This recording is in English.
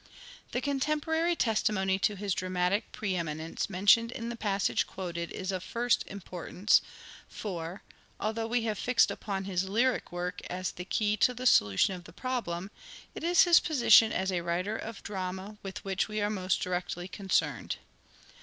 The contemporary testimony to his dramatic pre eminence mentioned in the passage quoted is of first importance, for, although we have fixed upon his lyric work as the key to the solution of the problem, it is his position as a writer of drama with which we are most directly concerned.